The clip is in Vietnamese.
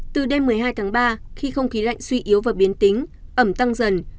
từ đêm một mươi hai tháng ba khi không khí lạnh suy yếu và biến tính ẩm tăng dần